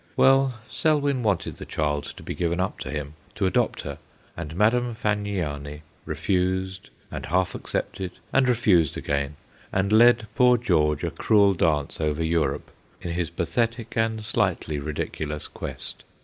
Well, Selwyn wanted the child to be given up to him, to adopt her, and Madame Fagniani refused, and half accepted, and refused again, and led poor George a cruel dance over Europe in his pathetic and slightly ridiculous quest.